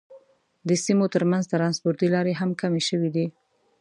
د سیمو تر منځ ترانسپورتي لارې هم کمې شوې دي.